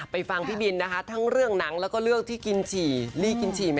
ฟังพี่บินนะคะทั้งเรื่องหนังแล้วก็เรื่องที่กินฉี่ลี่กินฉี่ไหม